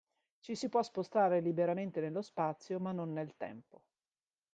Ci si può spostare liberamente nello spazio ma non nel tempo.